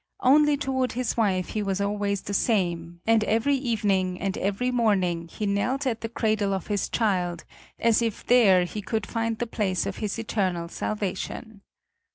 Only toward his wife he was always the same, and every evening and every morning he knelt at the cradle of his child as if there he could find the place of his eternal salvation.